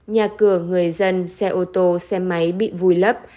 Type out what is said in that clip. nhà cửa người dân xe ô tô xe máy bị vùi lấp